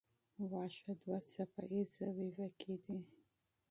واښه دوه څپه ایزه وییکي دي.